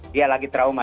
dia lagi trauma